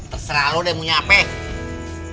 terserah lo deh mau nyapain